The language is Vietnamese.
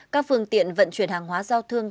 các phương tiện vận chuyển hàng hóa giao thương